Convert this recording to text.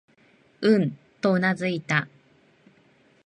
うん、とうなずいた。